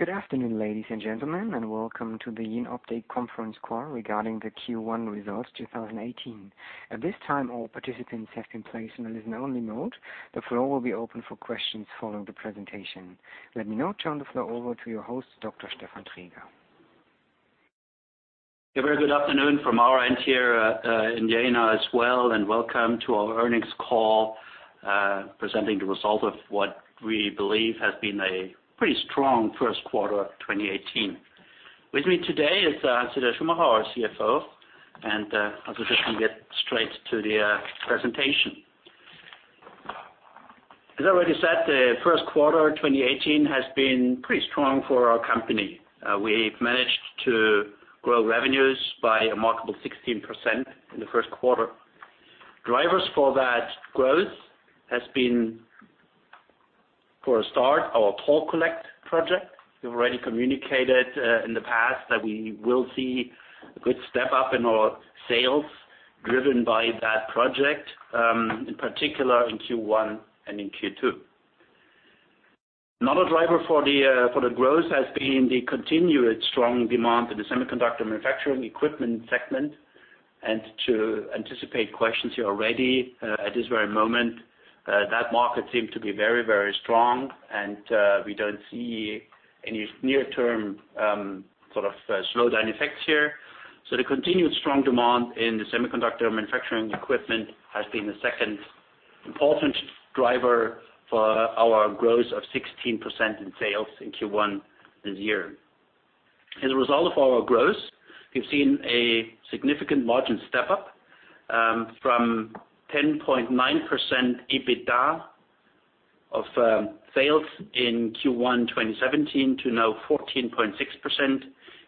Good afternoon, ladies and gentlemen, welcome to the Jenoptik Conference Call regarding the Q1 results 2018. At this time, all participants have been placed in a listen-only mode. The floor will be open for questions following the presentation. Let me now turn the floor over to your host, Dr. Stefan Traeger. A very good afternoon from our end here in Jena as well, and welcome to our earnings call, presenting the result of what we believe has been a pretty strong first quarter of 2018. With me today is Hans-Dieter Schumacher, our CFO, and I suggest we get straight to the presentation. As I already said, the first quarter 2018 has been pretty strong for our company. We've managed to grow revenues by a remarkable 16% in the first quarter. Drivers for that growth has been, for a start, our Toll Collect project. We've already communicated in the past that we will see a good step up in our sales driven by that project, in particular in Q1 and in Q2. Another driver for the growth has been the continued strong demand in the semiconductor manufacturing equipment segment. To anticipate questions here already, at this very moment, that market seems to be very strong, and we don't see any near-term sort of slowdown effects here. The continued strong demand in the semiconductor manufacturing equipment has been the second important driver for our growth of 16% in sales in Q1 this year. As a result of our growth, we've seen a significant margin step up from 10.9% EBITDA of sales in Q1 2017 to now 14.6%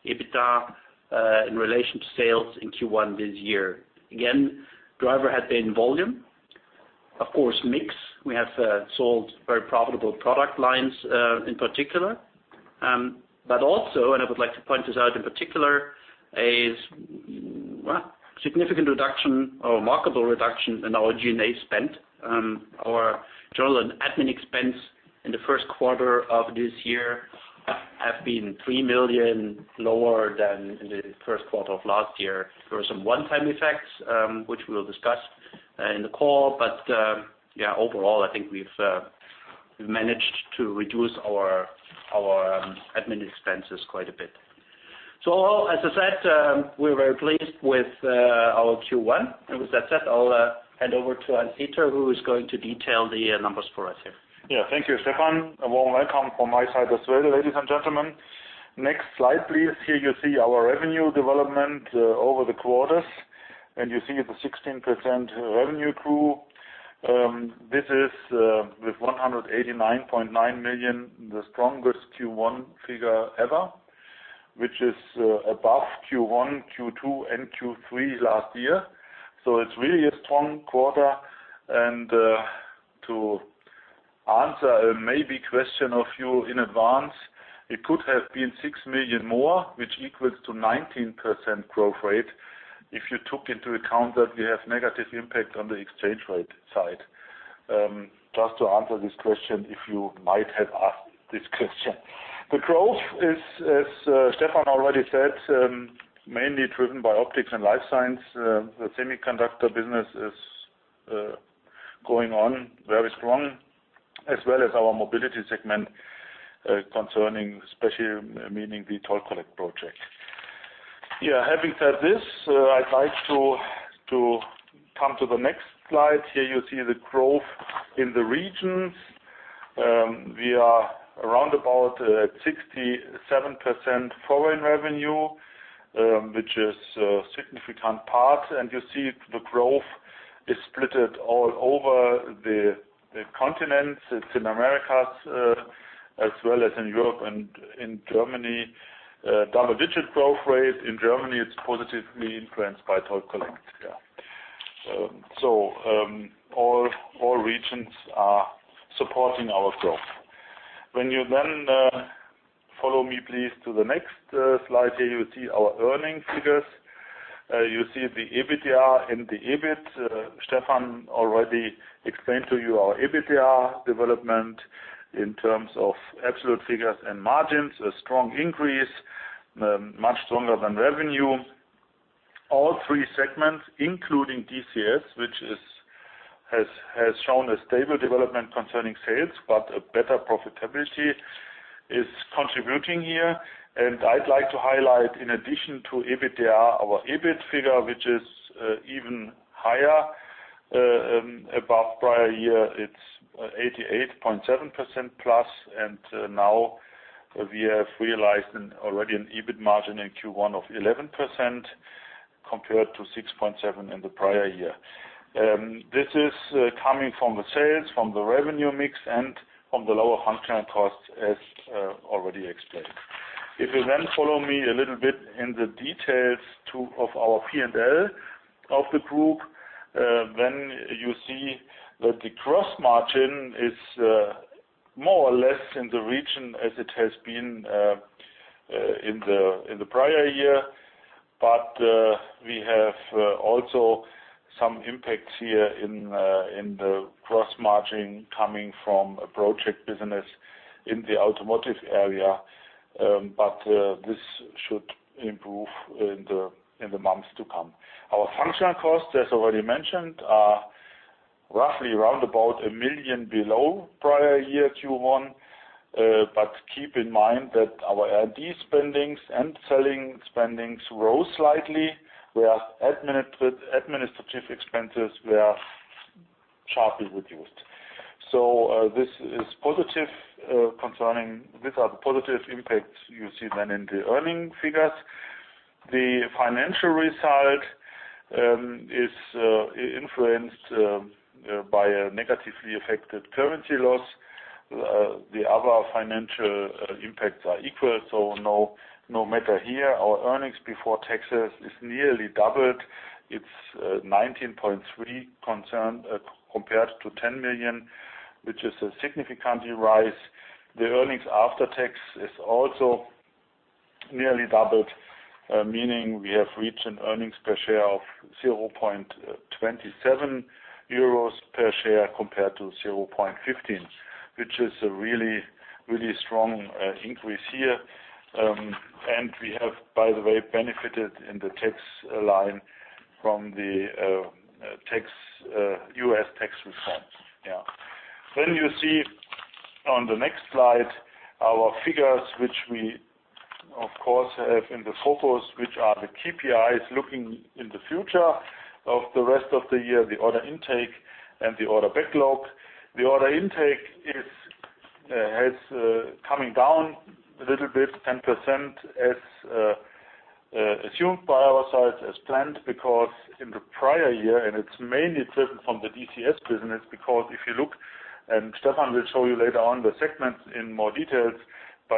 EBITDA in relation to sales in Q1 this year. Again, driver has been volume, of course, mix. We have sold very profitable product lines in particular. Also, and I would like to point this out in particular, a significant reduction or remarkable reduction in our G&A spend. Our general admin expense in the first quarter of this year have been 3 million lower than in the first quarter of last year. There were some one-time effects, which we'll discuss in the call, but overall, I think we've managed to reduce our admin expenses quite a bit. As I said, we're very pleased with our Q1. With that said, I'll hand over to Dieter, who is going to detail the numbers for us here. Yeah. Thank you, Stefan. A warm welcome from my side as well, ladies and gentlemen. Next slide, please. Here you see our revenue development over the quarters, and you see the 16% revenue grew. This is, with 189.9 million, the strongest Q1 figure ever, which is above Q1, Q2, and Q3 last year. It's really a strong quarter. To answer a maybe question of you in advance, it could have been 6 million more, which equals to 19% growth rate if you took into account that we have negative impact on the exchange rate side. Just to answer this question, if you might have asked this question. The growth is, as Stefan already said, mainly driven by Optics & Life Science. The semiconductor business is going on very strong, as well as our Mobility segment concerning especially, meaning the Toll Collect project. Having said this, I'd like to come to the next slide. Here you see the growth in the regions. We are around about at 67% foreign revenue, which is a significant part. You see the growth is splitted all over the continents. It's in Americas as well as in Europe and in Germany. Double-digit growth rate in Germany, it's positively influenced by Toll Collect. All regions are supporting our growth. You then follow me, please, to the next slide. Here you see our earnings figures. You see the EBITDA and the EBIT. Stefan already explained to you our EBITDA development in terms of absolute figures and margins, a strong increase, much stronger than revenue. All three segments, including DCS, which has shown a stable development concerning sales, but a better profitability, is contributing here. I'd like to highlight, in addition to EBITDA, our EBIT figure, which is even higher. Above prior year, it's 88.7% plus, and now we have realized already an EBIT margin in Q1 of 11%, compared to 6.7% in the prior year. This is coming from the sales, from the revenue mix, and from the lower functional costs, as already explained. You then follow me a little bit in the details of our P&L of the Jenoptik Group, you see that the gross margin is more or less in the region as it has been in the prior year. We have also some impacts here in the gross margin coming from a project business in the automotive area, but this should improve in the months to come. Our functional costs, as already mentioned, are roughly around about 1 million below prior year Q1. Keep in mind that our R&D spendings and selling spendings rose slightly, where administrative expenses were sharply reduced. These are the positive impacts you see then in the earning figures. The financial result is influenced by a negatively affected currency loss. The other financial impacts are equal, no matter here, our earnings before taxes is nearly doubled. It's 19.3 million compared to 10 million, which is a significant rise. The earnings after tax is also nearly doubled, meaning we have reached an earnings per share of 0.27 euros per share compared to 0.15, which is a really strong increase here. We have, by the way, benefited in the tax line from the U.S. tax reforms. Yeah. You see on the next slide our figures, which we, of course, have in the focus, which are the KPIs looking in the future of the rest of the year, the order intake and the order backlog. The order intake is coming down a little bit, 10% as assumed by our side as planned because in the prior year, and it's mainly driven from the DCS business because if you look, and Stefan will show you later on the segments in more details,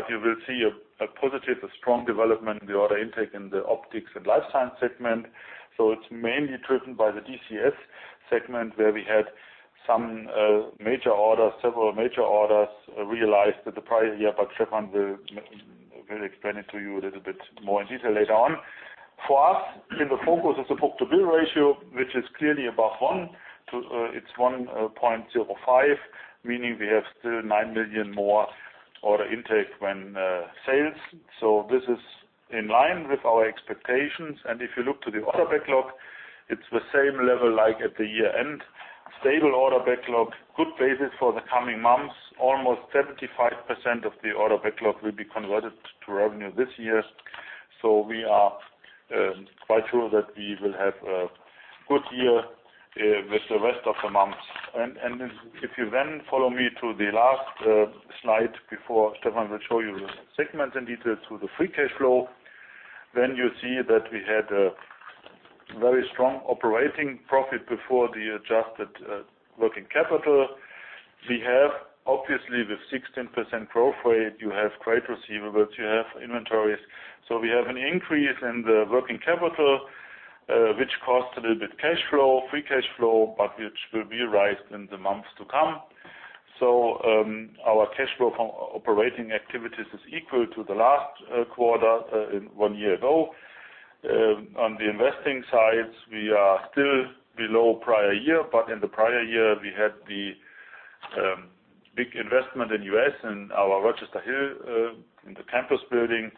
you will see a positive, a strong development in the order intake in the Optics & Life Science segment. It's mainly driven by the DCS segment, where we had several major orders realized at the prior year, but Stefan will explain it to you a little bit more in detail later on. For us, in the focus is the book-to-bill ratio, which is clearly above 1.05, meaning we have still 9 million more order intake than sales. This is in line with our expectations. If you look to the order backlog, it's the same level like at the year-end. Stable order backlog, good basis for the coming months. Almost 75% of the order backlog will be converted to revenue this year. We are quite sure that we will have a good year with the rest of the months. If you follow me to the last slide before Stefan will show you the segments in detail to the free cash flow, you see that we had a very strong operating profit before the adjusted working capital. Obviously, with 16% growth rate, you have credit receivables, you have inventories. We have an increase in the working capital, which cost a little bit cash flow, free cash flow, but which will be raised in the months to come. Our cash flow from operating activities is equal to the last quarter one year ago. On the investing sides, we are still below prior year, but in the prior year, we had the big investment in U.S. and our Rochester Hills in the campus building.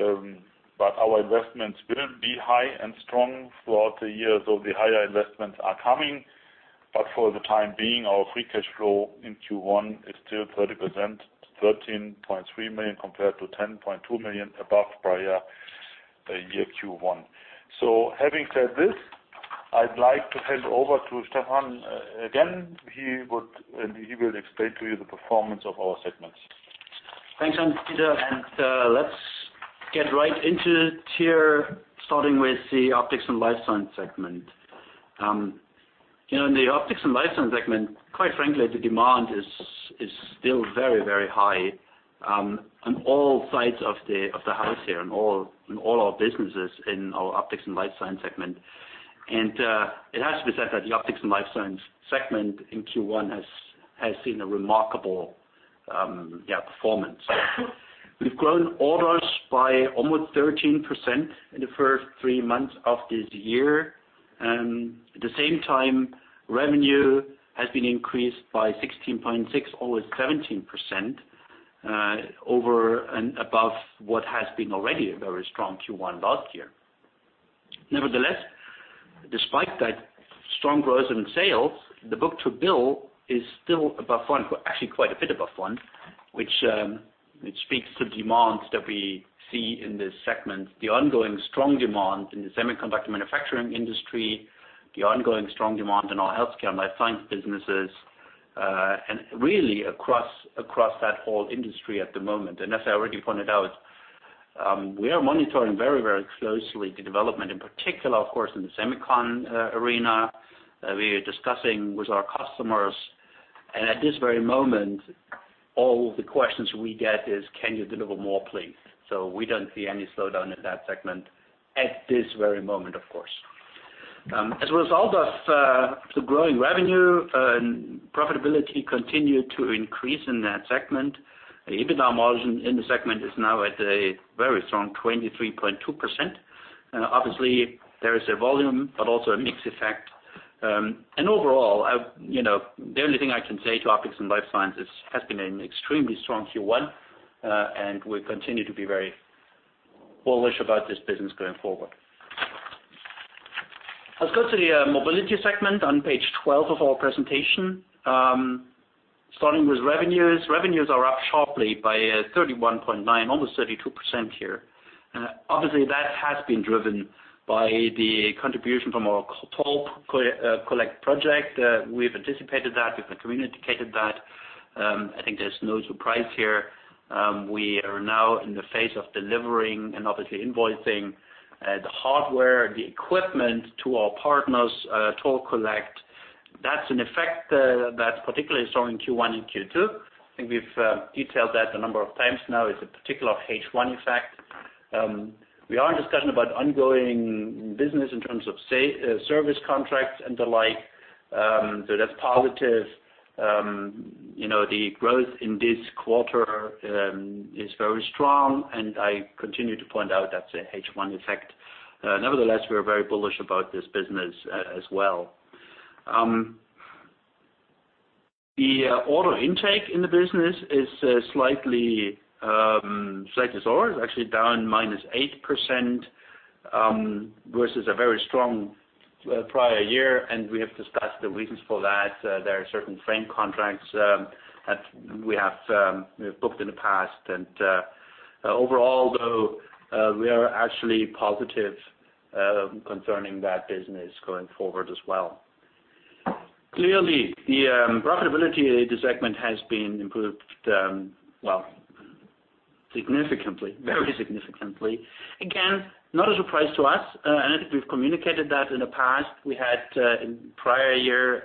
Our investments will be high and strong throughout the year, the higher investments are coming. For the time being, our free cash flow in Q1 is still 30%, 13.3 million compared to 10.2 million above prior year Q1. Having said this, I'd like to hand over to Stefan again. He will explain to you the performance of our segments. Thanks, Hans-Dieter, let's get right into here starting with the Optics & Life Science segment. In the Optics & Life Science segment, quite frankly, the demand is still very high on all sides of the house here, in all our businesses in our Optics & Life Science segment. It has to be said that the Optics & Life Science segment in Q1 has seen a remarkable performance. We've grown orders by almost 13% in the first three months of this year. At the same time, revenue has been increased by 16.6%, almost 17% over and above what has been already a very strong Q1 last year. Nevertheless, despite that strong growth in sales, the book-to-bill is still above one, actually quite a bit above one, which speaks to demands that we see in this segment, the ongoing strong demand in the semiconductor manufacturing industry, the ongoing strong demand in our healthcare life science businesses, and really across that whole industry at the moment. As I already pointed out, we are monitoring very closely the development, in particular, of course, in the semicon arena. We are discussing with our customers. At this very moment, all the questions we get is, "Can you deliver more, please?" We don't see any slowdown in that segment at this very moment, of course. As a result of the growing revenue and profitability continue to increase in that segment. EBITDA margin in the segment is now at a very strong 23.2%. Obviously, there is a volume, but also a mix effect. Overall, the only thing I can say to Optics & Life Science has been an extremely strong Q1, and we continue to be very bullish about this business going forward. Let's go to the Mobility segment on page 12 of our presentation. Starting with revenues. Revenues are up sharply by 31.9, almost 32% here. Obviously, that has been driven by the contribution from our Toll Collect project. We've anticipated that. We've communicated that. I think there's no surprise here. We are now in the phase of delivering and obviously invoicing the hardware, the equipment to our partners, Toll Collect. That's an effect that's particularly strong in Q1 and Q2. I think we've detailed that a number of times now. It's a particular H1 effect. We are in discussion about ongoing business in terms of service contracts and the like. That's positive. The growth in this quarter is very strong, and I continue to point out that's an H1 effect. Nevertheless, we're very bullish about this business as well. The order intake in the business is slightly lower, actually down minus 8%, versus a very strong prior year, and we have discussed the reasons for that. There are certain frame contracts that we have booked in the past. Overall, though, we are actually positive concerning that business going forward as well. Clearly, the profitability of this segment has been improved, well, significantly, very significantly. Again, not a surprise to us, and I think we've communicated that in the past. We had in prior year,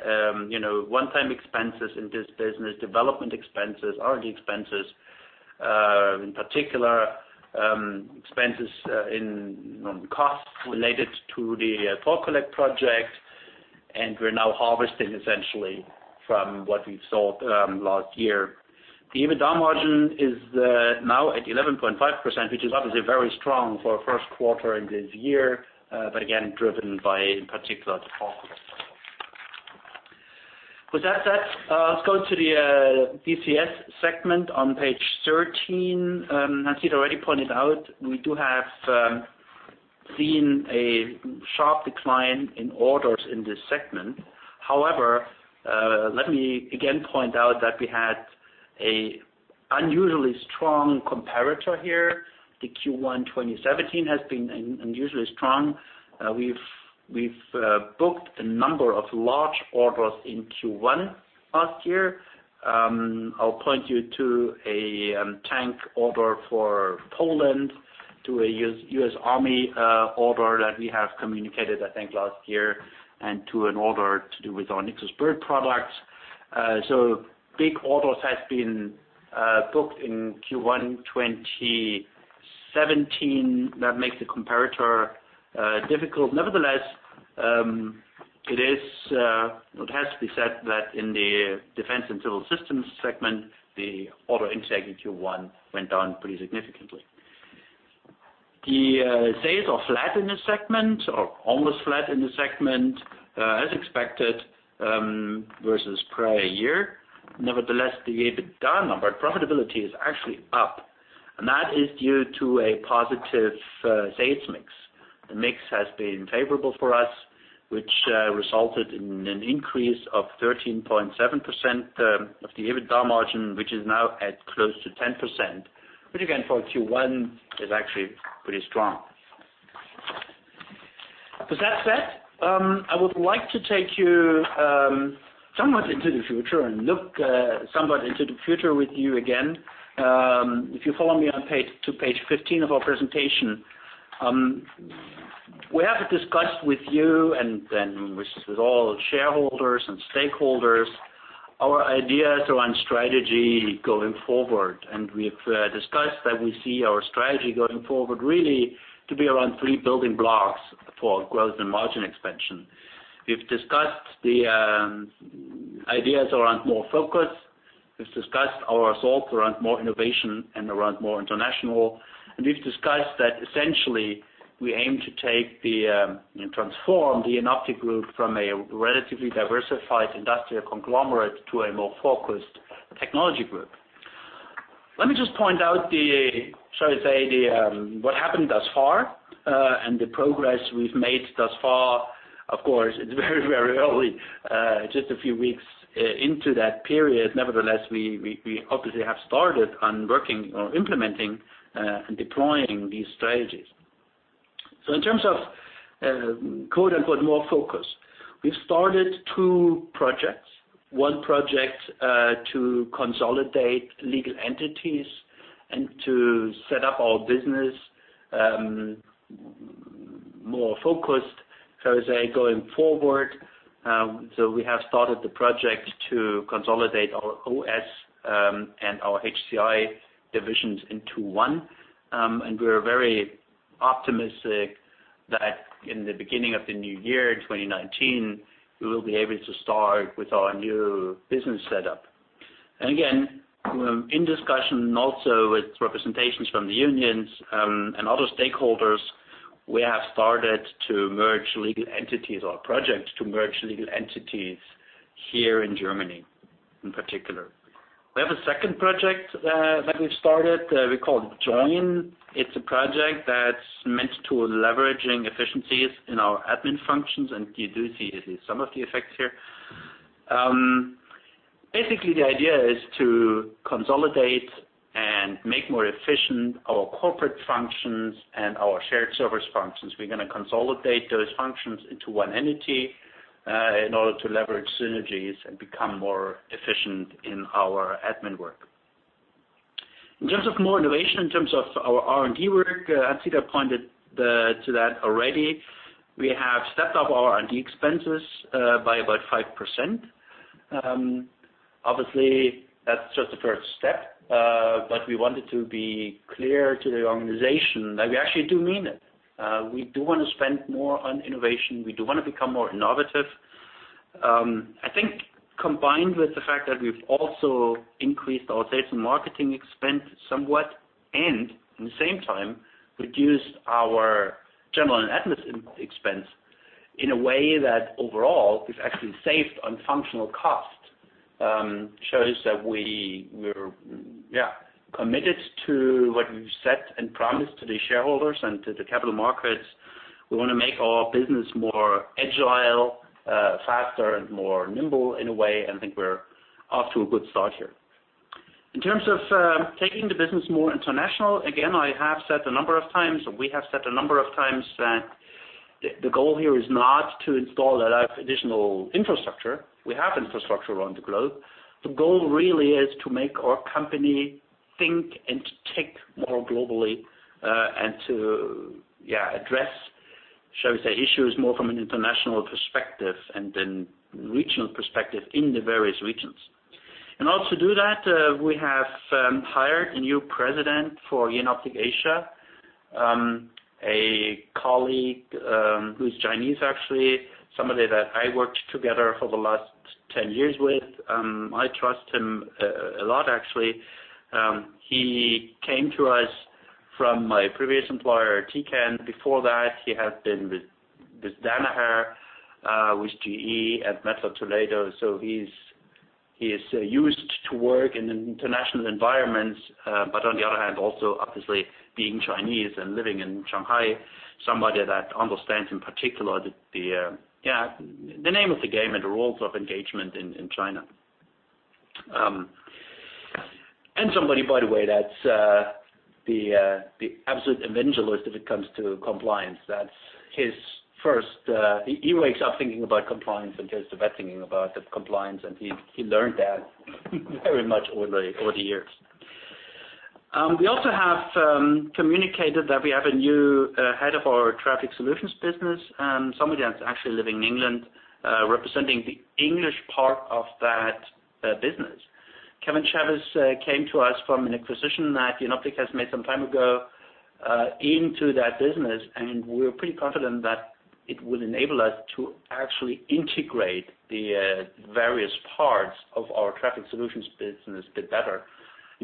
one-time expenses in this business, development expenses, R&D expenses, in particular, expenses in non-costs related to the Toll Collect project, and we're now harvesting essentially from what we've sold last year. The EBITDA margin is now at 11.5%, which is obviously very strong for a first quarter in this year. Again, driven by, in particular, Toll Collect. With that said, let's go to the DCS segment on page 13. As I already pointed out, we do have seen a sharp decline in orders in this segment. However, let me again point out that we had a unusually strong comparator here. The Q1 2017 has been unusually strong. We've booked a number of large orders in Q1 last year. I'll point you to a tank order for Poland, to a U.S. Army order that we have communicated, I think, last year, and to an order to do with our NYXUS BIRD product. Big orders has been booked in Q1 2017. That makes the comparator difficult. Nevertheless, it has to be said that in the Defense & Civil Systems segment, the order intake in Q1 went down pretty significantly. The sales are flat in this segment or almost flat in the segment as expected, versus prior year. Nevertheless, the EBITDA number, profitability is actually up, and that is due to a positive sales mix. The mix has been favorable for us, which resulted in an increase of 13.7% of the EBITDA margin, which is now at close to 10%, which again, for Q1, is actually pretty strong. With that said, I would like to take you somewhat into the future and look somewhat into the future with you again. If you follow me to page 15 of our presentation. We have discussed with you and with all shareholders and stakeholders our ideas around strategy going forward. We've discussed that we see our strategy going forward really to be around three building blocks for growth and margin expansion. We've discussed the ideas around more focus. We've discussed our thoughts around more innovation and around more international. We've discussed that essentially we aim to transform the Jenoptik Group from a relatively diversified industrial conglomerate to a more focused technology group. Let me just point out, shall I say, what happened thus far, and the progress we've made thus far. Of course, it's very, very early. Just a few weeks into that period. Nevertheless, we obviously have started on working on implementing and deploying these strategies. So in terms of quote, unquote, "more focus," we've started two projects. One project to consolidate legal entities and to set up our business more focused, shall I say, going forward. We have started the project to consolidate our OS and our HCI divisions into one. We're very optimistic that in the beginning of the new year, 2019, we will be able to start with our new business setup. Again, in discussion also with representations from the unions and other stakeholders, we have started to merge legal entities or projects to merge legal entities here in Germany in particular. We have a second project that we've started, we call it Join. It's a project that's meant to leveraging efficiencies in our admin functions, and you do see at least some of the effects here. Basically, the idea is to consolidate and make more efficient our corporate functions and our shared service functions. We're going to consolidate those functions into one entity, in order to leverage synergies and become more efficient in our admin work. In terms of more innovation, in terms of our R&D work, I think I pointed to that already. We have stepped up our R&D expenses by about 5%. Obviously, that's just the first step. We wanted to be clear to the organization that we actually do mean it. We do want to spend more on innovation. We do want to become more innovative. I think combined with the fact that we've also increased our sales and marketing expense somewhat, and in the same time, reduced our general and admin expense in a way that overall we've actually saved on functional cost, shows that we're committed to what we've said and promised to the shareholders and to the capital markets. We want to make our business more agile, faster, and more nimble in a way. I think we're off to a good start here. In terms of taking the business more international, again, I have said a number of times, we have said a number of times, the goal here is not to install a lot of additional infrastructure. We have infrastructure around the globe. The goal really is to make our company think and tick more globally, to address, shall we say, issues more from an international perspective and then regional perspective in the various regions. To also do that, we have hired a new president for Jenoptik Asia, a colleague who's Chinese actually, somebody that I worked together for the last 10 years with. I trust him a lot, actually. He came to us from my previous employer, Tecan. Before that, he had been with Danaher, with GE and Mettler Toledo. So he is used to work in an international environment. On the other hand, also obviously being Chinese and living in Shanghai, somebody that understands in particular the name of the game and the roles of engagement in China. Somebody, by the way, that's the absolute evangelist when it comes to compliance. That's his first. He wakes up thinking about compliance and goes to bed thinking about compliance, and he learned that very much over the years. We also have communicated that we have a new head of our Traffic Solutions business, somebody that's actually living in England, representing the English part of that business. Kevin Chevis came to us from an acquisition that Jenoptik has made some time ago into that business, and we're pretty confident that it will enable us to actually integrate the various parts of our Traffic Solutions business a bit better.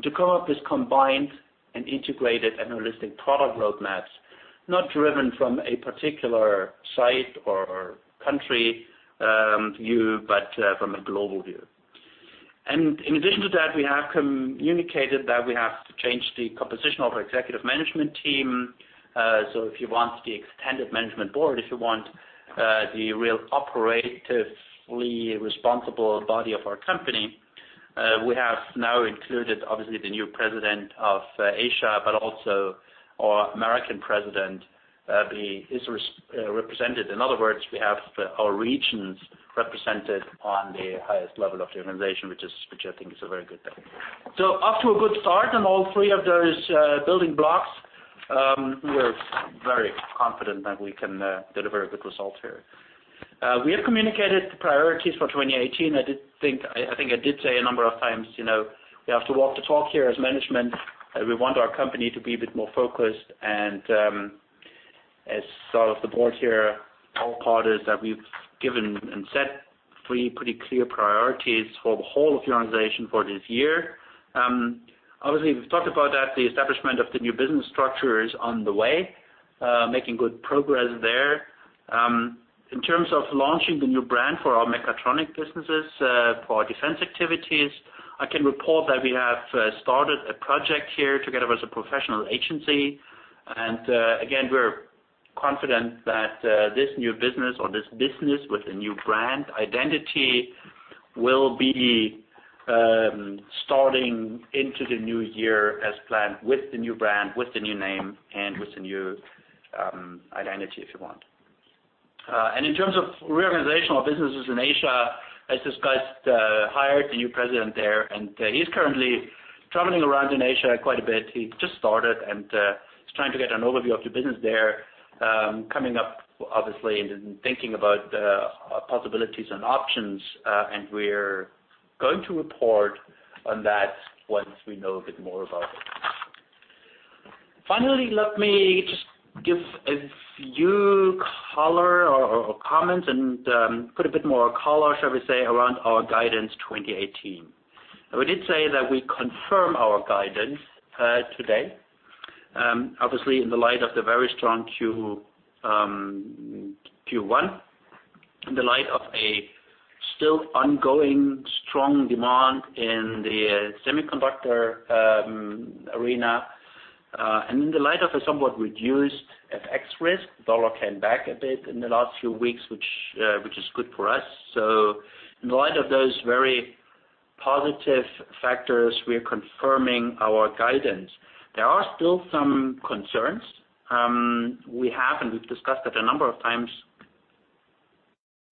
To come up with combined and integrated analytic product roadmaps, not driven from a particular site or country view, but from a global view. In addition to that, we have communicated that we have to change the composition of our executive management team. So if you want the extended management board, if you want the real operatively responsible body of our company, we have now included, obviously, the new president of Asia, but also our American president is represented. In other words, we have our regions represented on the highest level of the organization, which I think is a very good thing. So off to a good start on all three of those building blocks. We are very confident that we can deliver a good result here. We have communicated the priorities for 2018. I think I did say a number of times, we have to walk the talk here as management, and we want our company to be a bit more focused and as sort of the board here, our part is that we've given and set three pretty clear priorities for the whole of the organization for this year. We've talked about that the establishment of the new business structure is on the way, making good progress there. In terms of launching the new brand for our mechatronic businesses, for our defense activities, I can report that we have started a project here together with a professional agency. Again, we're confident that this new business or this business with a new brand identity will be starting into the new year as planned with the new brand, with the new name, and with the new identity, if you want. In terms of reorganizational businesses in Asia, as discussed, hired a new president there, and he's currently traveling around in Asia quite a bit. He just started and he's trying to get an overview of the business there, coming up obviously and thinking about possibilities and options, and we're going to report on that once we know a bit more about it. Finally, let me just give a few color or comments and put a bit more color, shall we say, around our guidance 2018. We did say that we confirm our guidance today. Obviously, in the light of the very strong Q1, in the light of a still ongoing strong demand in the semiconductor arena, and in the light of a somewhat reduced FX risk, dollar came back a bit in the last few weeks, which is good for us. In light of those very positive factors, we are confirming our guidance. There are still some concerns. We have, and we've discussed it a number of times,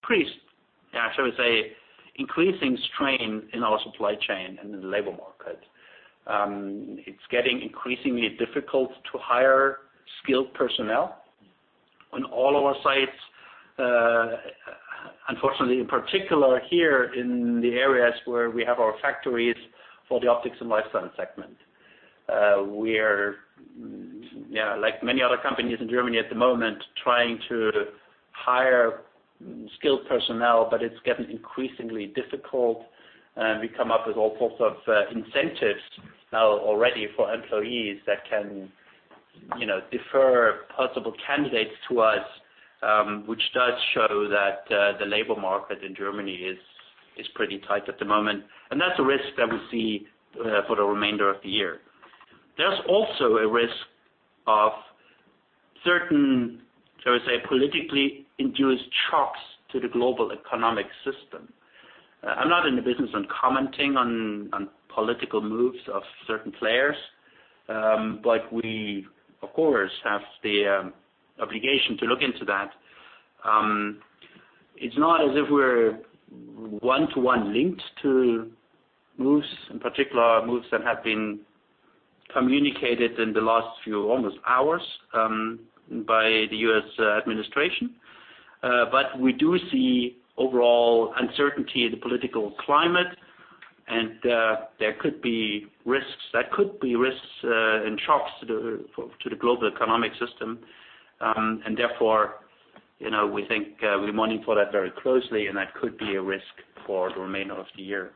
shall we say, increasing strain in our supply chain and in the labor market. It's getting increasingly difficult to hire skilled personnel on all our sites. Unfortunately, in particular here in the areas where we have our factories for the Optics & Life Science segment. We are, like many other companies in Germany at the moment, trying to hire skilled personnel, but it's getting increasingly difficult. We come up with all sorts of incentives now already for employees that can defer possible candidates to us, which does show that the labor market in Germany is pretty tight at the moment. That's a risk that we see for the remainder of the year. There's also a risk of certain, shall we say, politically induced shocks to the global economic system. I'm not in the business on commenting on political moves of certain players, but we of course, have the obligation to look into that. It's not as if we're one to one linked to moves, in particular, moves that have been communicated in the last few almost hours by the U.S. administration. We do see overall uncertainty in the political climate, and there could be risks and shocks to the global economic system. Therefore, we think we monitor that very closely, and that could be a risk for the remainder of the year.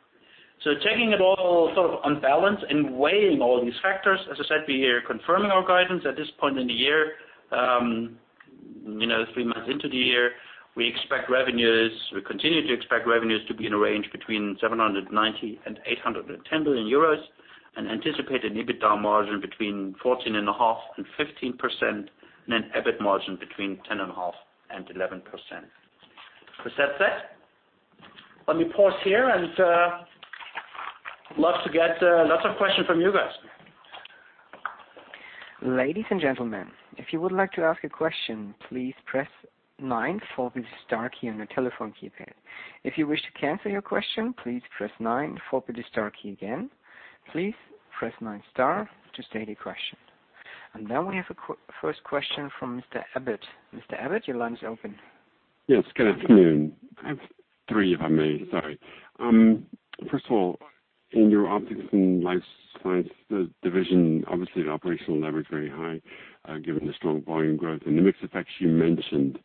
Taking it all sort of on balance and weighing all these factors, as I said, we are confirming our guidance at this point in the year. Three months into the year, we continue to expect revenues to be in a range between 790 million and 810 million euros, and anticipate an EBITDA margin between 14.5% and 15%, and an EBIT margin between 10.5% and 11%. With that said, let me pause here and love to get lots of questions from you guys. Ladies and gentlemen, if you would like to ask a question, please press star nine followed by the star key on your telephone keypad. If you wish to cancel your question, please press star nine followed by the star key again. Please press star nine to state your question. Now we have a first question from Craig Abbott. Craig Abbott, your line is open. Yes, good afternoon. I have three, if I may, sorry. First of all, in your Optics & Life Science division, obviously the operational leverage very high given the strong volume growth and the mix effects you mentioned.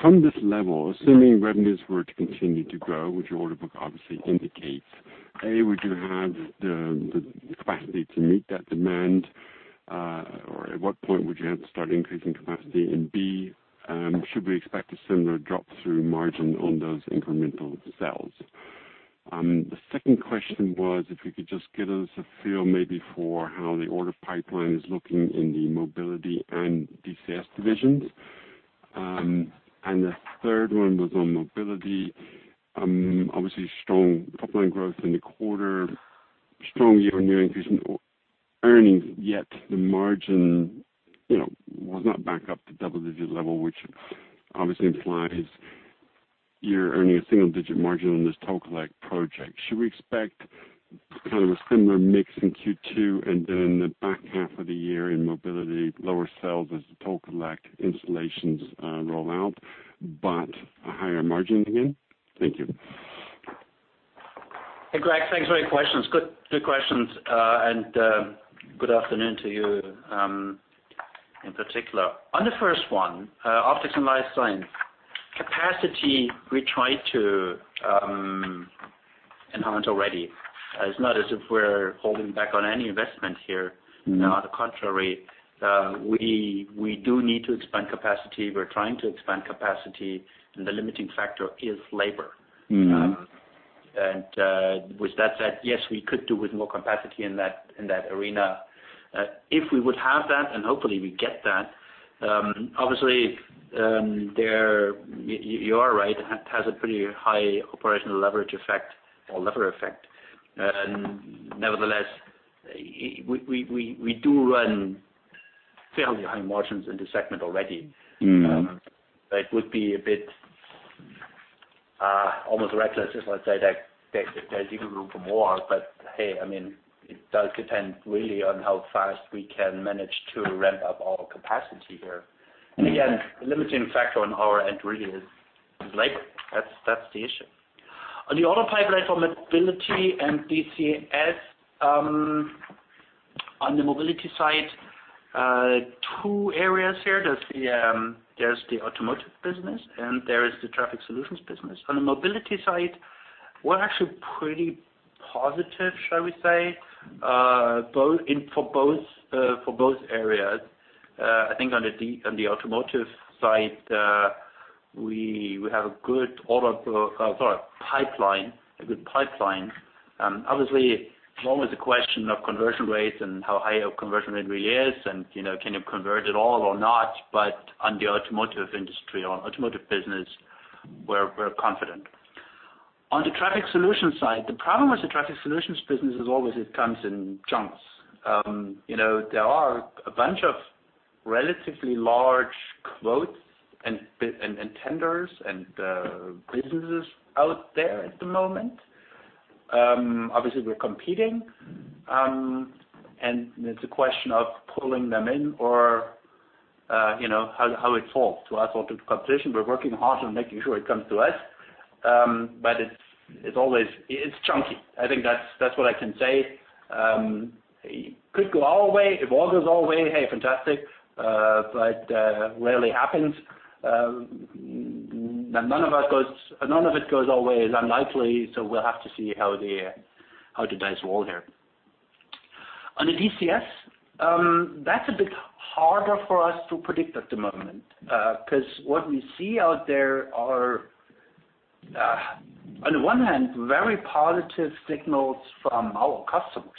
From this level, assuming revenues were to continue to grow, which your order book obviously indicates, A, would you have the capacity to meet that demand? Or at what point would you have to start increasing capacity? B, should we expect a similar drop-through margin on those incremental sales? The second question was if you could just give us a feel maybe for how the order pipeline is looking in the Mobility and DCS divisions. The third one was on Mobility, obviously strong top-line growth in the quarter, strong year-on-year increase in earnings. The margin was not back up to double-digit level, which obviously implies you're earning a single-digit margin on this Toll Collect project. Should we expect kind of a similar mix in Q2 and then in the back half of the year in Mobility, lower sales as the Toll Collect installations roll out, but a higher margin again? Thank you. Hey, Craig, Thanks for your questions. Good questions, good afternoon to you in particular. On the first one, Optics & Life Science. Capacity, we try to enhance already. It's not as if we're holding back on any investment here. On the contrary, we do need to expand capacity. We're trying to expand capacity, the limiting factor is labor. With that said, yes, we could do with more capacity in that arena. If we would have that, and hopefully we get that, obviously, you are right, it has a pretty high operational leverage effect or lever effect. Nevertheless, we do run fairly high margins in this segment already. It would be almost reckless, just want to say that there's even room for more, but hey, it does depend really on how fast we can manage to ramp up our capacity here. Again, limiting factor on our end really is labor. That's the issue. On the order pipeline for Mobility and DCS, on the Mobility side, two areas here. There's the automotive business and there is the Traffic Solutions business. On the Mobility side, we're actually pretty positive, shall we say, for both areas. I think on the automotive side, we have a good pipeline. Obviously, it's always a question of conversion rates and how high our conversion rate really is, and can you convert at all or not? On the automotive industry or automotive business, we're confident. On the Traffic Solutions side, the problem with the Traffic Solutions business is always, it comes in chunks. There are a bunch of relatively large quotes and tenders, and businesses out there at the moment. Obviously, we're competing. It's a question of pulling them in or how it falls to us or to the competition. We're working hard on making sure it comes to us. It's chunky. I think that's what I can say. It could go our way. If all goes our way, hey, fantastic. Rarely happens. That none of it goes our way is unlikely, so we'll have to see how the dice roll here. On the DCS, that's a bit harder for us to predict at the moment. What we see out there are, on one hand, very positive signals from our customers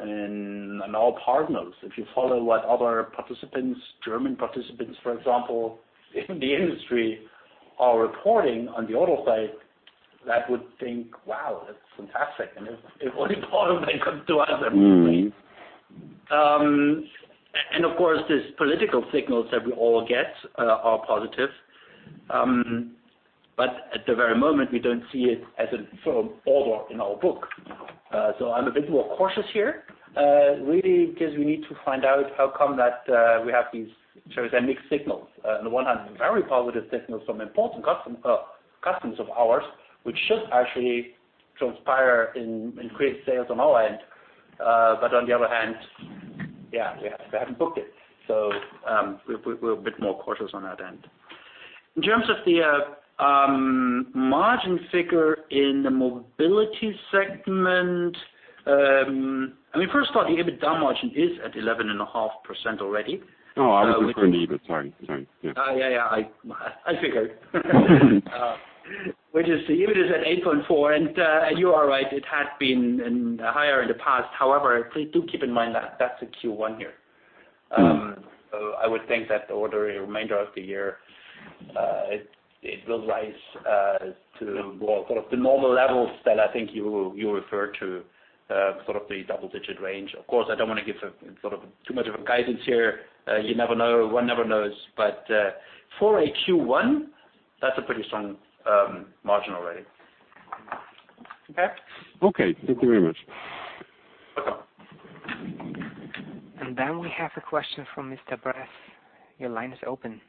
and our partners. If you follow what other participants, German participants, for example, in the industry are reporting on the order side, that would think, "Wow, that's fantastic." If only part of it comes to us. Of course, these political signals that we all get are positive. At the very moment, we don't see it as an order in our book. I'm a bit more cautious here. Really, because we need to find out how come that we have these mixed signals. On the one hand, very positive signals from important customers of ours, which should actually transpire in increased sales on our end. On the other hand, yeah, they haven't booked it. We're a bit more cautious on that end. In terms of the margin figure in the Mobility segment, first of all, the EBITDA margin is at 11.5% already. No, I was referring to EBIT. Sorry. Yeah. I figured. The EBIT is at 8.4%, and you are right, it had been higher in the past. However, please do keep in mind that's the Q1 here. I would think that over the remainder of the year, it will rise to more sort of the normal levels that I think you refer to, sort of the double-digit range. I don't want to give too much of a guidance here. You never know. One never knows, but for a Q1, that's a pretty strong margin already. Okay. Okay. Thank you very much. Welcome. We have a question from Sven Bressa. Your line is open.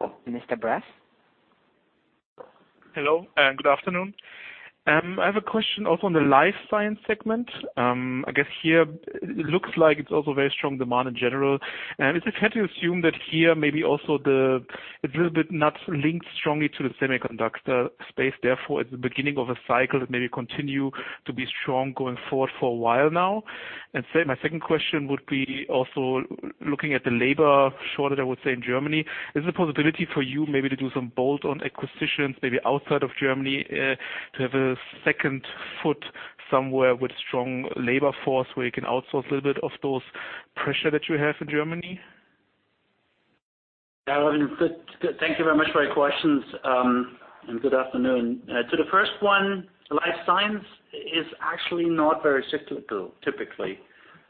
Sven Bressa? Hello, good afternoon. I have a question also on the life science segment. I guess here it looks like it's also very strong demand in general. Is it fair to assume that here maybe also it's a little bit not linked strongly to the semiconductor space, therefore it's the beginning of a cycle that may continue to be strong going forward for a while now? My second question would be also looking at the labor shortage, I would say, in Germany, is there a possibility for you maybe to do some bolt-on acquisitions, maybe outside of Germany, to have a second foot somewhere with strong labor force where you can outsource a little bit of those pressure that you have in Germany? Thank you very much for your questions, good afternoon. To the first one, life science is actually not very cyclical, typically.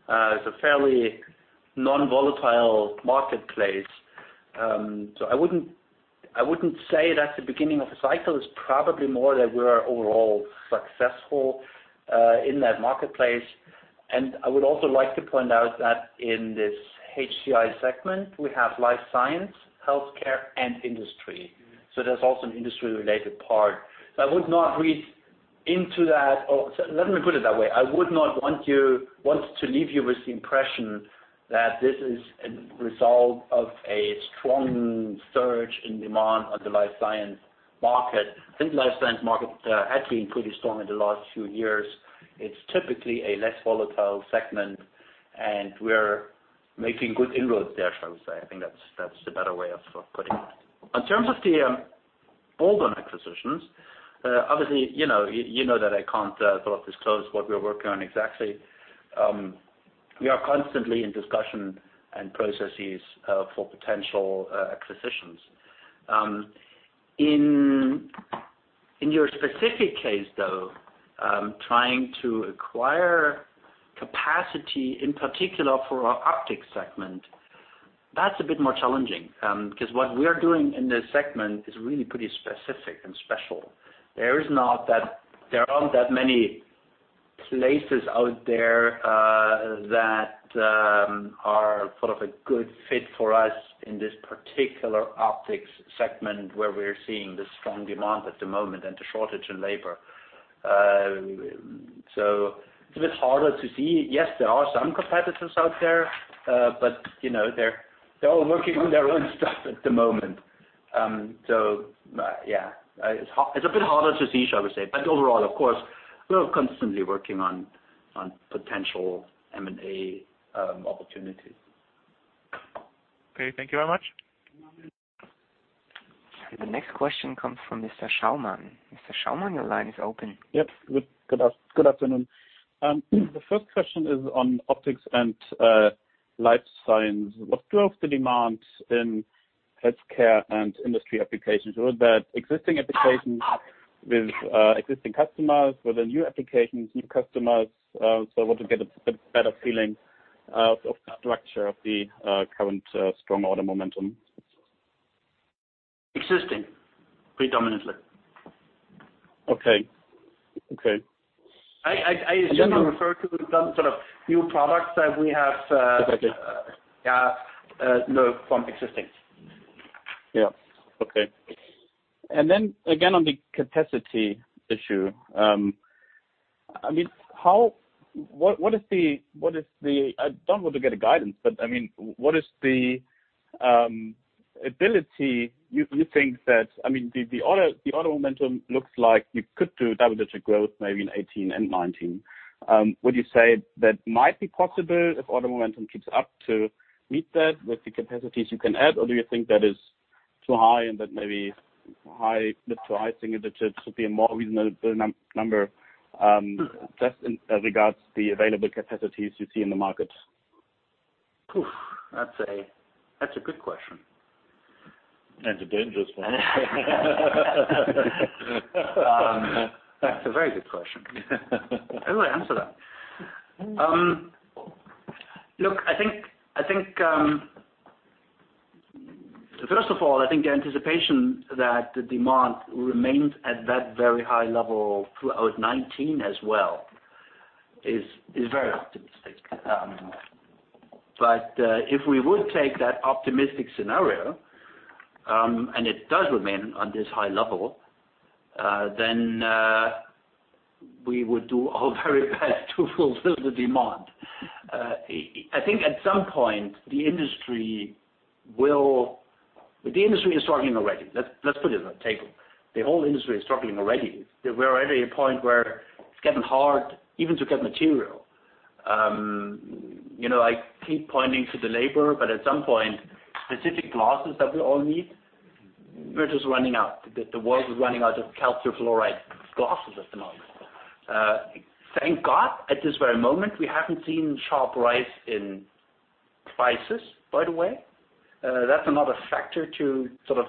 It's a fairly non-volatile marketplace. I wouldn't say that's the beginning of a cycle. It's probably more that we're overall successful in that marketplace. I would also like to point out that in this HCI segment, we have life science, healthcare, and industry. There's also an industry-related part. I would not read into that, or let me put it that way. I would not want to leave you with the impression that this is a result of a strong surge in demand on the life science market. I think the life science market had been pretty strong in the last few years. It's typically a less volatile segment, and we're making good inroads there, shall we say. I think that's the better way of putting that. In terms of the bolt-on acquisitions, obviously, you know that I can't disclose what we're working on exactly. We are constantly in discussion and processes for potential acquisitions. In your specific case, though, trying to acquire capacity, in particular for our optic segment, that's a bit more challenging. Because what we are doing in this segment is really pretty specific and special. There aren't that many places out there that are sort of a good fit for us in this particular optics segment where we're seeing the strong demand at the moment and the shortage in labor. It's a bit harder to see. Yes, there are some competitors out there, but they're all working on their own stuff at the moment. It's a bit harder to see, shall we say. Overall, of course, we are constantly working on potential M&A opportunities. Okay. Thank you very much. The next question comes from Malte Schaumann. Malte Schaumann, your line is open. Yep. Good afternoon. The first question is on Optics & Life Science. What drove the demand in Healthcare & Industry applications? Was that existing applications with existing customers, or the new applications, new customers? I want to get a better feeling of the structure of the current strong order momentum. Existing, predominantly. Okay. I assume you refer to some sort of new products that we have. Okay Yeah, no, from existing. Again, on the capacity issue. I don't want to get a guidance, but what is the ability you think that the order momentum looks like you could do double-digit growth maybe in 2018 and 2019? Would you say that might be possible if order momentum keeps up to meet that with the capacities you can add, or do you think that is too high and that maybe mid to high single digits would be a more reasonable number, just in regards to the available capacities you see in the market? Oof. That's a good question. A dangerous one. That's a very good question. How do I answer that? Look, first of all, I think the anticipation that the demand remains at that very high level throughout 2019 as well is very optimistic. If we would take that optimistic scenario, and it does remain on this high level, then we would do our very best to fulfill the demand. I think at some point the industry is struggling already. Let's put it on the table. The whole industry is struggling already. We're already at a point where it's getting hard even to get material. I keep pointing to the labor, but at some point, specific glasses that we all need, we're just running out. The world is running out of calcium fluoride glasses at the moment. Thank God, at this very moment, we haven't seen sharp rise in prices, by the way. That's another factor to sort of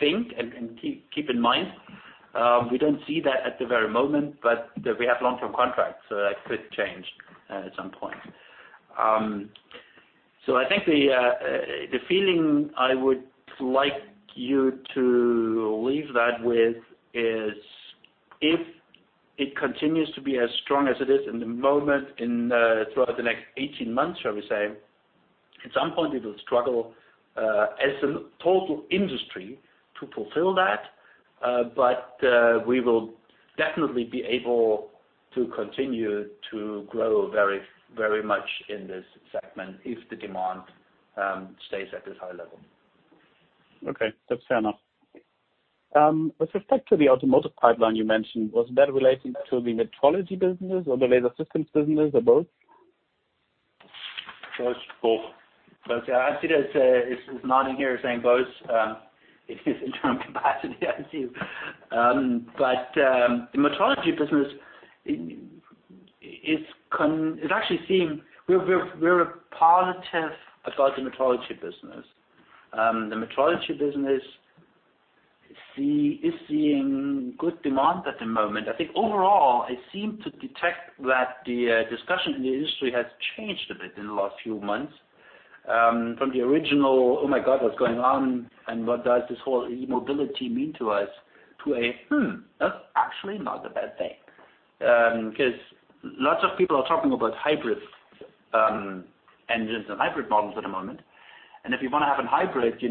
think and keep in mind. We don't see that at the very moment, but we have long-term contracts, so that could change at some point. I think the feeling I would like you to leave that with is if it continues to be as strong as it is in the moment and throughout the next 18 months, shall we say, at some point it will struggle as a total industry to fulfill that. We will definitely be able to continue to grow very much in this segment if the demand stays at this high level. Okay. That's fair enough. With respect to the automotive pipeline you mentioned, was that relating to the metrology business or the laser systems business, or both? Both. Both. Yeah, I see there's a nodding here saying both, in term of capacity, I see. The metrology business, we're positive about the metrology business. The metrology business is seeing good demand at the moment. I think overall, I seem to detect that the discussion in the industry has changed a bit in the last few months, from the original, "Oh my God, what's going on, and what does this whole e-mobility mean to us?" To a, "Hmm, that's actually not a bad thing." Lots of people are talking about hybrid engines and hybrid models at the moment, and if you want to have a hybrid, you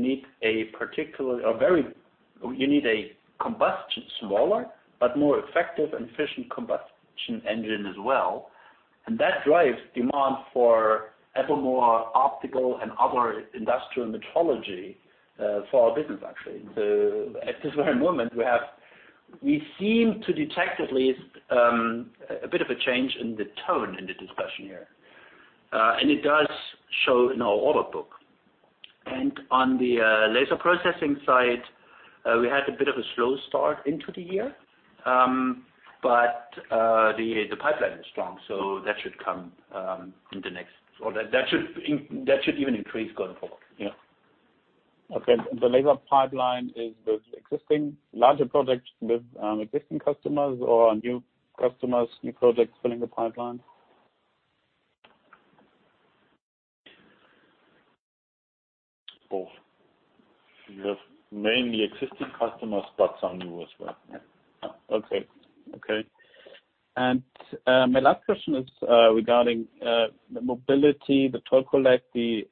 need a combustion smaller, but more effective and efficient combustion engine as well. That drives demand for ever more optical and other industrial metrology for our business, actually. At this very moment, we seem to detect at least, a bit of a change in the tone in the discussion here. It does show in our order book. On the laser processing side, we had a bit of a slow start into the year The pipeline is strong, so that should come in the next That should even increase going forward. Yeah. Okay. Is the laser pipeline, the existing larger projects with existing customers or new customers, new projects filling the pipeline? Both. You have mainly existing customers, but some new as well. Yeah. Okay. My last question is regarding the Mobility, the Toll Collect, the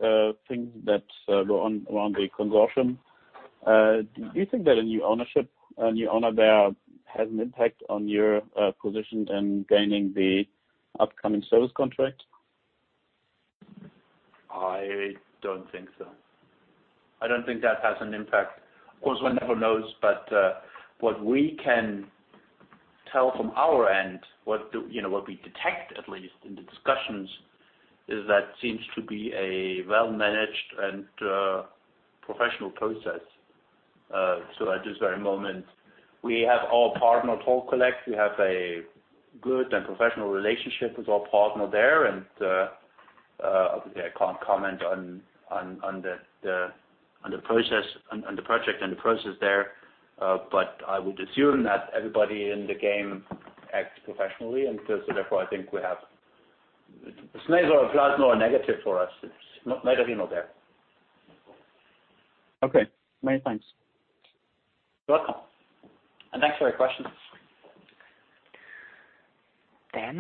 things that go on around the consortium. Do you think that a new ownership there has an impact on your position in gaining the upcoming service contract? I don't think so. I don't think that has an impact. Of course, one never knows, but what we can tell from our end, what we detect at least in the discussions, is that seems to be a well-managed and professional process. At this very moment, we have our partner Toll Collect. We have a good and professional relationship with our partner there. Obviously, I can't comment on the project and the process there, but I would assume that everybody in the game acts professionally and so therefore It's neither a plus nor a negative for us. It's neither here nor there. Okay. Many thanks. You're welcome. Thanks for your questions.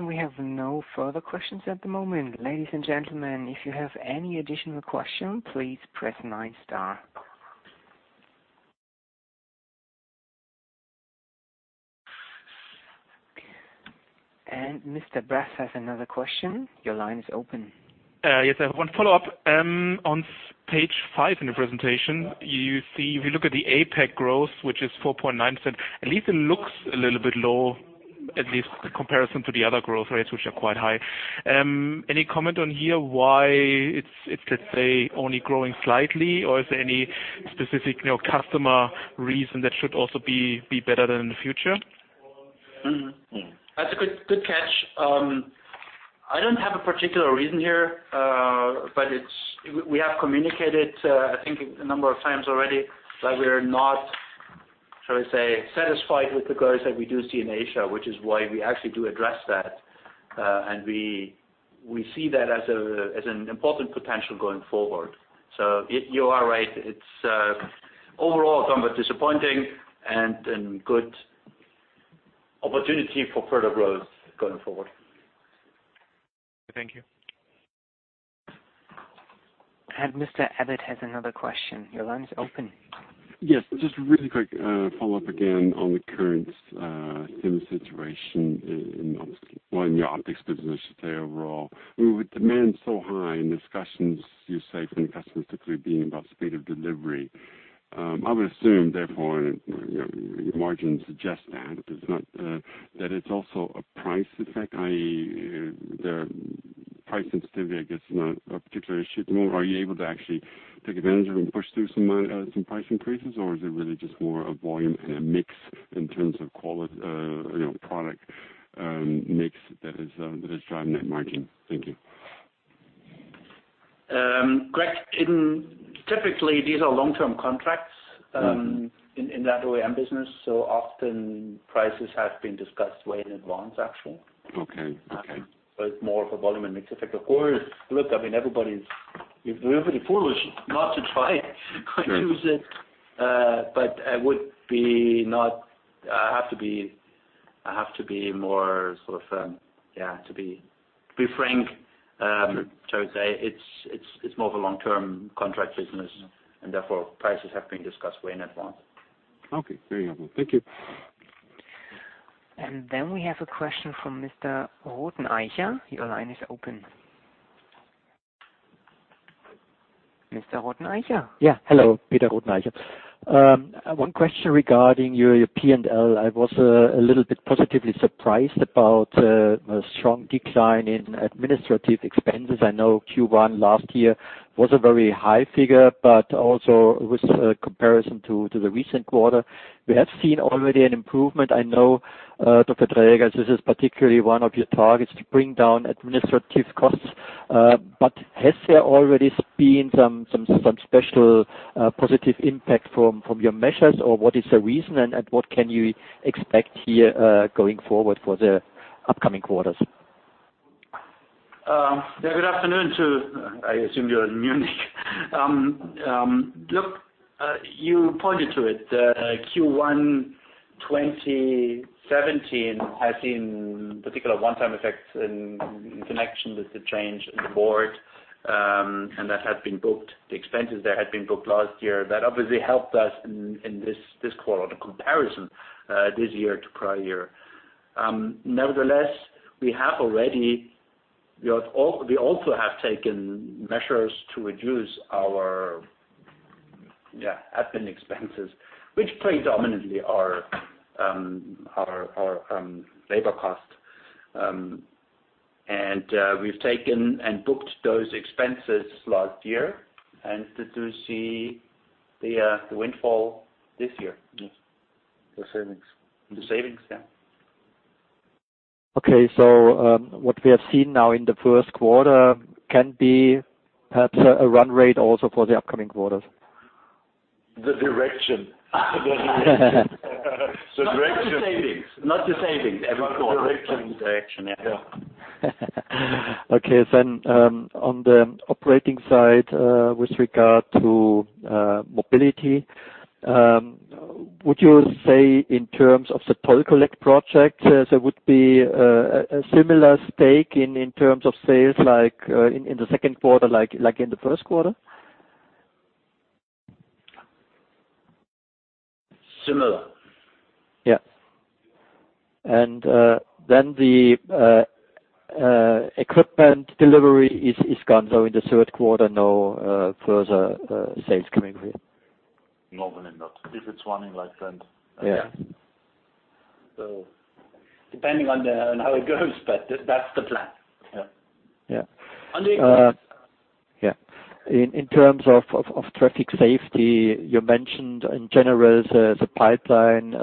We have no further questions at the moment. Ladies and gentlemen, if you have any additional questions, please press nine star. Mr. Bressa has another question. Your line is open. Yes, I have one follow-up. On page five in the presentation, you see if you look at the APAC growth, which is 4.9%, at least it looks a little bit low, at least in comparison to the other growth rates, which are quite high. Any comment on here why it's, let's say, only growing slightly? Or is there any specific customer reason that should also be better than in the future? That's a good catch. I don't have a particular reason here, but we have communicated, I think a number of times already, that we are not, shall we say, satisfied with the growth that we do see in Asia, which is why we actually do address that. We see that as an important potential going forward. You are right. It's overall somewhat disappointing and good opportunity for further growth going forward. Thank you. Craig Abbott has another question. Your line is open. Yes, just a really quick follow-up again on the current semi situation in, well, in your optics business, I should say, overall. With demand so high and discussions, you say from customers particularly being about speed of delivery, I would assume therefore, your margins suggest that it's also a price effect, i.e., the price sensitivity, I guess, is not a particular issue anymore. Are you able to actually take advantage of and push through some price increases, or is it really just more a volume and a mix in terms of product mix that is driving that margin? Thank you. Greg, typically these are long-term contracts- in that OEM business, often prices have been discussed way in advance, actually. Okay. It's more of a volume and mix effect. Of course. Look, I mean, you'd be foolish not to try and use it. Sure. I have to be more to be frank, shall we say, it's more of a long-term contract business and therefore prices have been discussed way in advance. Okay. Very helpful. Thank you. We have a question from Peter Rothenaicher. Your line is open. Peter Rothenaicher? Hello, Peter Rothenaicher. One question regarding your P&L. I was a little bit positively surprised about a strong decline in administrative expenses. I know Q1 last year was a very high figure, also with comparison to the recent quarter, we have seen already an improvement. I know, Dr. Traeger, this is particularly one of your targets to bring down administrative costs. Has there already been some special positive impact from your measures, or what is the reason and what can you expect here, going forward for the upcoming quarters? Good afternoon. I assume you're in Munich. Look, you pointed to it. Q1 2017 had seen particular one-time effects in connection with the change in the board, and that had been booked, the expenses there had been booked last year. That obviously helped us in this quarter, the comparison, this year to prior year. Nevertheless, we also have taken measures to reduce our admin expenses, which predominantly are our labor cost. We've taken and booked those expenses last year, and to see the windfall this year. Yes. The savings. The savings, yeah. Okay. What we have seen now in the first quarter can be perhaps a run rate also for the upcoming quarters? The direction. The direction. Not the savings. Not the savings every quarter. The direction. The direction, yeah. Okay. On the operating side, with regard to Mobility, would you say in terms of the Toll Collect project, there would be a similar stake in terms of sales, like in the second quarter, like in the first quarter? Similar. Yeah. The equipment delivery is gone, in the third quarter, no further sales coming here. More than enough. If it's running like then, yeah. Yeah. Depending on how it goes, but that's the plan. Yeah. Yeah. In terms of traffic safety, you mentioned in general, the pipeline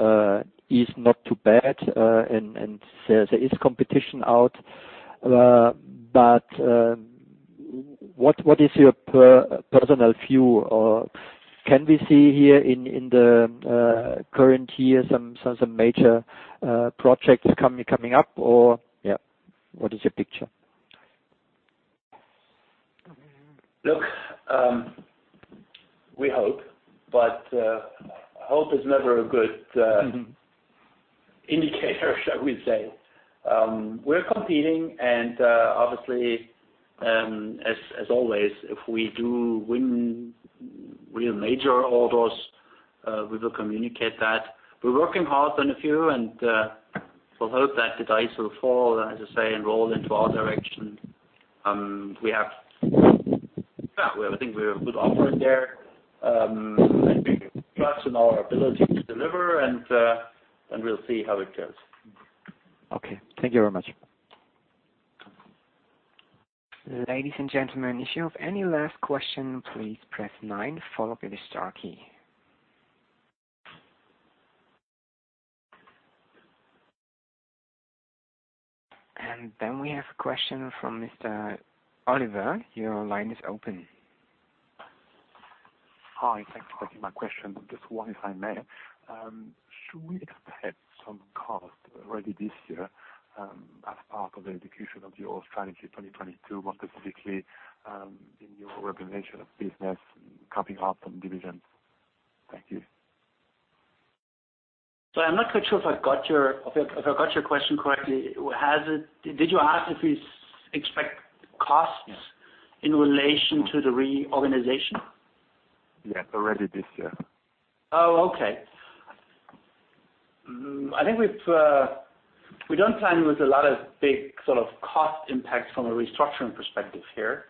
is not too bad and there is competition out. What is your personal view? Can we see here in the current year some major projects coming up, or what is your picture? Look, we hope is never a good indicator, shall we say. We're competing obviously, as always, if we do win real major orders, we will communicate that. We're working hard on a few we'll hope that the dice will fall, as I say, roll into our direction. I think we have a good offering there. I think trust in our ability to deliver we'll see how it goes. Okay. Thank you very much. Ladies and gentlemen, if you have any last question, please press nine, followed by the star key. We have a question from Oliver Kuhl. Your line is open. Hi. Thank you for taking my question. Just one, if I may. Should we expect some cost already this year as part of the execution of your Strategy 2022, more specifically in your representation of business coming up in the division? Thank you. I'm not quite sure if I got your question correctly. Did you ask if we expect costs- Yes in relation to the reorganization? Yes. Already this year. Oh, okay. I think we don't plan with a lot of big sort of cost impacts from a restructuring perspective here.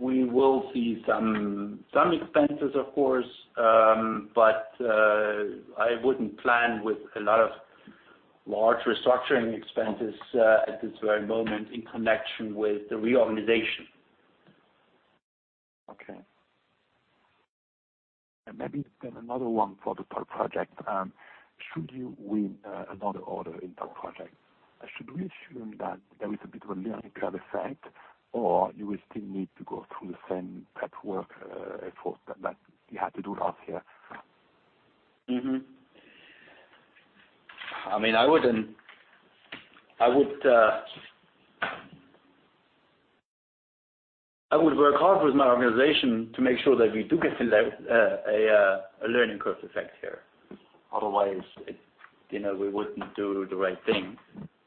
We will see some expenses, of course, but I wouldn't plan with a lot of large restructuring expenses at this very moment in connection with the reorganization. Okay. Maybe then another one for the Toll Project. Should you win another order in Toll Project, should we assume that there is a bit of a learning curve effect, or you will still need to go through the same paperwork effort that you had to do last year? I would work hard with my organization to make sure that we do get a learning curve effect here. Otherwise, we wouldn't do the right thing.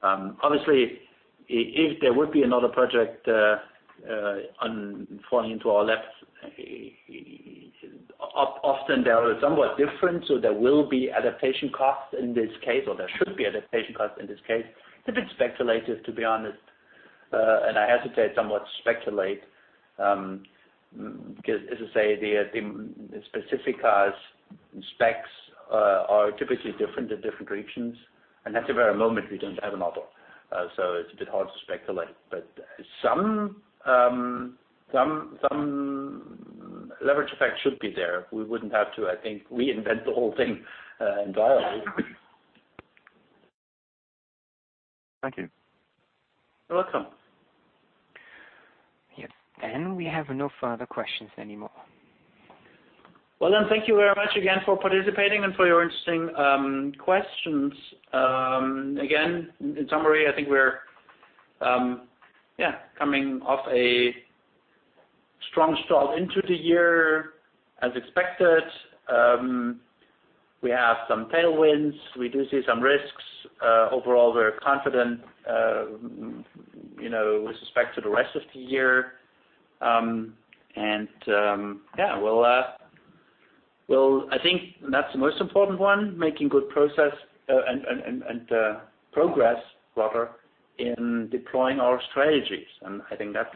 Obviously, if there would be another project falling into our laps, often they are somewhat different, so there will be adaptation costs in this case, or there should be adaptation costs in this case. It's a bit speculative, to be honest. I hesitate somewhat speculate, because as I say, the specific cars and specs are typically different in different regions, and at the very moment we don't have a model. It's a bit hard to speculate, but some leverage effect should be there. We wouldn't have to, I think, reinvent the whole thing entirely. Thank you. You're welcome. Yes. We have no further questions anymore. Well, thank you very much again for participating and for your interesting questions. Again, in summary, I think we're coming off a strong start into the year as expected. We have some tailwinds. We do see some risks. Overall, we're confident with respect to the rest of the year. I think that's the most important one, making good progress in deploying our strategies. I think that's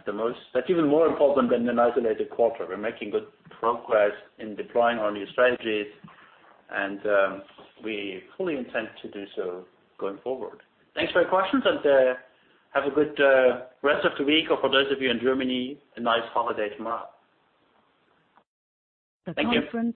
even more important than an isolated quarter. We're making good progress in deploying our new strategies, and we fully intend to do so going forward. Thanks for your questions and have a good rest of the week, or for those of you in Germany, a nice holiday tomorrow. Thank you.